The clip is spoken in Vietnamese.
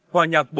hòa nhạc bốn mùa